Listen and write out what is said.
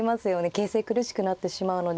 形勢苦しくなってしまうので。